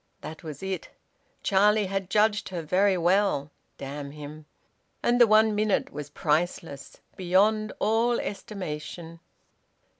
That was it. Charlie had judged her very well damn him! And the one minute was priceless, beyond all estimation.